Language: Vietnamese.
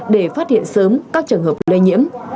để phát hiện sớm các trường hợp lây nhiễm